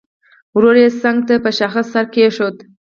ورو يې څنګ ته په شاخ سر کېښود.